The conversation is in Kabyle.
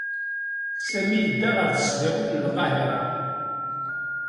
Sami yedda ɣer Tesdawit n Lqahiṛa.